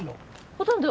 ほとんど？